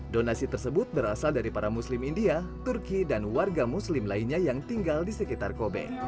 donasi tersebut berasal dari para muslim india turki dan warga muslim lainnya yang tinggal di sekitar kobe